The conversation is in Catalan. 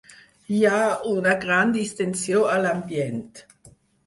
Hi ha una gran distensió a l'ambient.